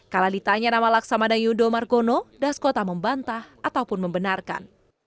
kalau ditanya nama laksamada yudo margono dasko tak membantah ataupun membenarkan